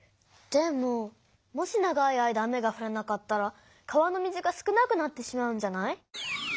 でももし長い間雨がふらなかったら川の水が少なくなってしまうんじゃない？